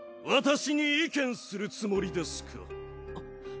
私に意見するつもりですか？